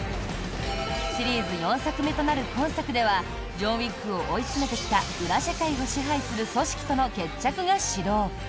シリーズ４作目となる今作ではジョン・ウィックを追い詰めてきた裏社会を支配する組織との決着が始動。